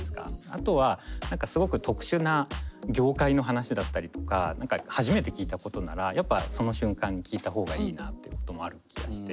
あとは何かすごく特殊な業界の話だったりとか何か初めて聞いたことならやっぱその瞬間に聞いた方がいいなってこともある気がして。